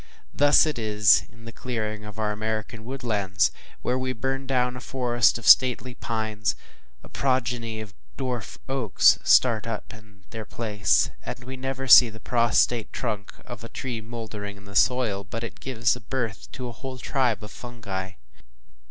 Thus it is in the clearing of our American woodlands; where we burn down a forest of stately pines, a progeny of dwarf oaks start up in their place; and we never see the prostrate trunk of a tree mouldering into soil, but it gives birth to a whole tribe of fungi.